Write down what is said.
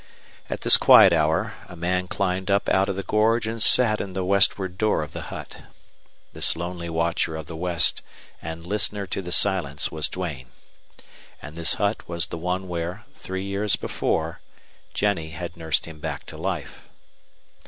At this quiet hour a man climbed up out of the gorge and sat in the westward door of the hut. This lonely watcher of the west and listener to the silence was Duane. And this hut was the one where, three years before, Jennie had nursed him back to life.